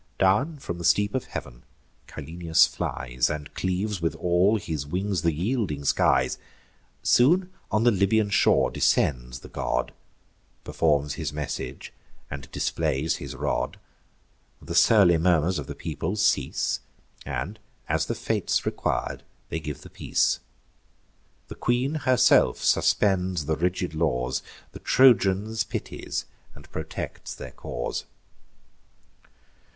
Down from the steep of heav'n Cyllenius flies, And cleaves with all his wings the yielding skies. Soon on the Libyan shore descends the god, Performs his message, and displays his rod: The surly murmurs of the people cease; And, as the fates requir'd, they give the peace: The queen herself suspends the rigid laws, The Trojans pities, and protects their cause.